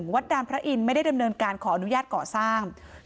วัดดานพระอินทร์ไม่ได้ดำเนินการขออนุญาตก่อสร้าง